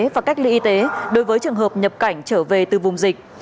và cách ly y tế đối với trường hợp nhập cảnh trở về từ vùng dịch